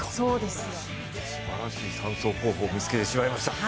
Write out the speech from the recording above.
すばらしい３走候補を見つけてしまいました。